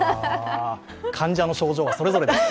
患者の症状はそれぞれです。